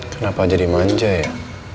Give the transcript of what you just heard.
kenapa jadi manja ya